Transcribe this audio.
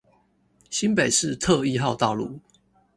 新北市特一號道路